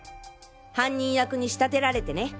犯人役に仕立てられてね。